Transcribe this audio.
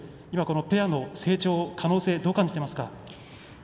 今、このペアの成長、可能性はどう感じていますか？